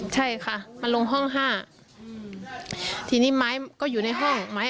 ใช่ค่ะมันลงห้องห้าทีนี้ไม้ก็อยู่ในห้อง